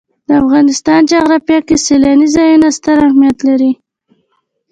د افغانستان جغرافیه کې سیلاني ځایونه ستر اهمیت لري.